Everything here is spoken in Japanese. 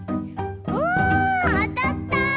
おあたった！